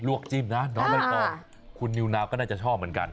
จิ้มนะน้องใบตองคุณนิวนาวก็น่าจะชอบเหมือนกัน